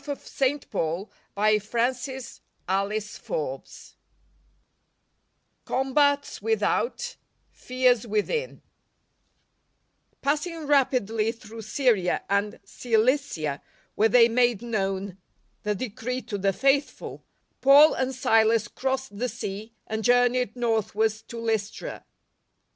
■'■■■.■■■•■■■■■■ tv CHAPTER VI " COMBATS WITHOUT, FEARS WITHIN " Passing rapidly through Syria and Cilicia, where they made known the decree to the faithful, Paul and Silas crossed the sea, and journeyed northwards to Lystra.